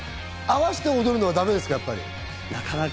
あわせてやるのはだめですか？